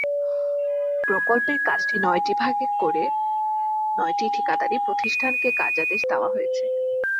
প্রকল্পের কাজ নয়টি ভাগে করে নয়টি ঠিকাদারি প্রতিষ্ঠানকে কার্যাদেশ দেওয়া হয়েছে।